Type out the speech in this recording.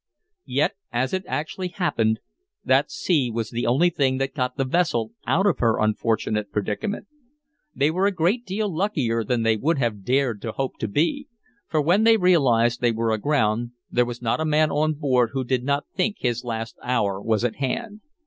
Yet as it actually happened, that sea was the only thing that got the vessel out of her unfortunate predicament. They were a great deal luckier than they would have dared to hope to be. For when they realized they were aground there was not a man on board who did not think his last hour was at hand.